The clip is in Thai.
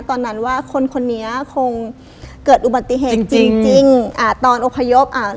ตอนนั้นว่าคนคนนี้คงเกิดอุบัติเหตุจริงจริงอ่าตอนอพยพอ่า